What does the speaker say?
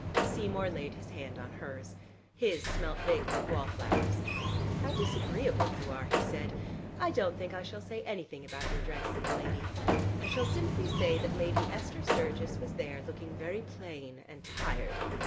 Seymour laid his hand on hers. His smelt vaguely of wall flowers. "How disagreeable you are," he said. "I don't think I shall say anything about your dress in The Lady. I shall simply say that Lady Esther Sturgis was there looking very plain and tired.